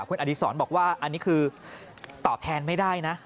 คุณอดีศรบอกว่าอันนี้คือตอบแทนไม่ได้นะ